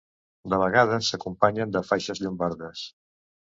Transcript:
De vegades s'acompanyen de faixes llombardes.